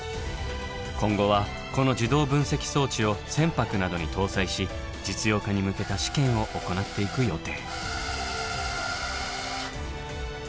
今後はこの自動分析装置を船舶などに搭載し実用化に向けた試験を行っていく予定。